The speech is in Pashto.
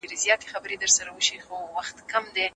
د زندان سختې ورځې اوس پای ته رسېدلې وې.